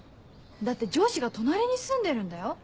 だって上司が隣に住んでるんだよ？